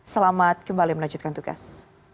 selamat kembali melanjutkan tugas